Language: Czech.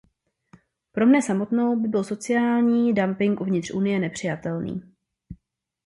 Pro mne samotnou by byl sociální dumping uvnitř Unie nepřijatelný.